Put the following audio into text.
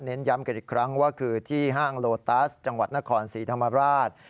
ย้ำกันอีกครั้งว่าคือที่ห้างโลตัสจังหวัดนครศรีธรรมราช